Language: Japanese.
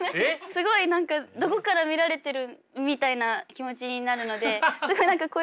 すごい何かどこから見られてるみたいな気持ちになるのでこうやって歩いてきちゃう。